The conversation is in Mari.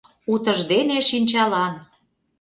УТЫЖДЕНЕ ШИНЧАЛАН